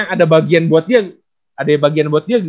ada bagian buat dia